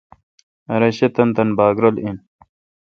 ھر شے°تانی تانی باگ رل این۔